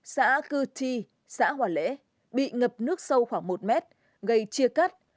xã cư chi xã hòa lễ bị ngập nước sâu khoảng một mét gây chia cắt